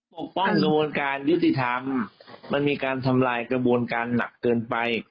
ปกป้องกระบวนการยุติธรรมมันมีการทำลายกระบวนการหนักเกินไป